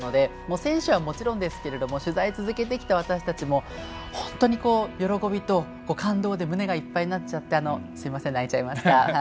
選手はもちろんですけど取材を続けてきた私たちも本当に喜びと感動で胸がいっぱいになっちゃってすいません、泣いちゃいました。